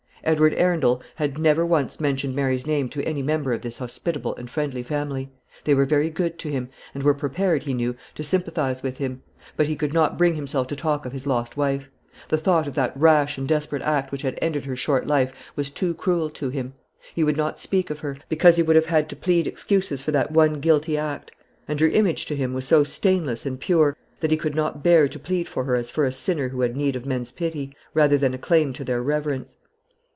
Edward Arundel had never once mentioned Mary's name to any member of this hospitable and friendly family. They were very good to him, and were prepared, he knew, to sympathise with him; but he could not bring himself to talk of his lost wife. The thought of that rash and desperate act which had ended her short life was too cruel to him. He would not speak of her, because he would have had to plead excuses for that one guilty act; and her image to him was so stainless and pure, that he could not bear to plead for her as for a sinner who had need of men's pity, rather than a claim to their reverence.